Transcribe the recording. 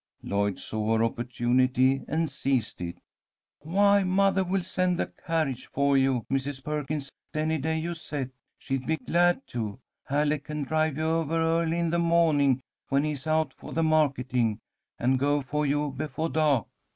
Lloyd saw her opportunity and seized it. "Why, mothah will send the carriage for you, Mrs. Perkins, any day you set. She'd be glad to. Alec can drive you ovah early in the mawning, when he is out for the marketing, and go for you befoah dah'k."